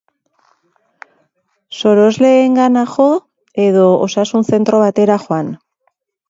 Sorosleengana jo edo osasun zentro batera joan.